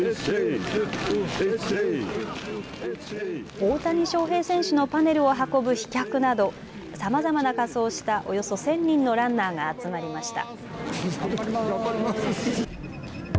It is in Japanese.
大谷翔平選手のパネルを運ぶ飛脚など、さまざまな仮装をしたおよそ１０００人のランナーが集まりました。